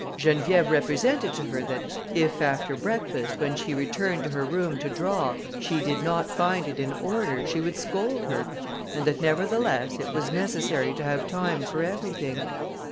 Geneviève represented to her that if, after breakfast, when she returned to her room to draw, she did not find it in order, she would scold her, and that, nevertheless, it was necessary to have time for everything.